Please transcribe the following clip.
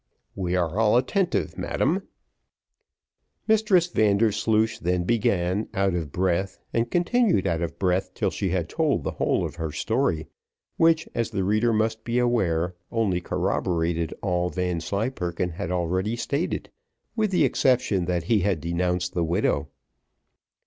"We are all attentive, madam." Mistress Vandersloosh then began, out of breath, and continued out of breath till she had told the whole of her story, which, as the reader must be aware, only corroborated all Vanslyperken had already stated, with the exception that he had denounced the widow.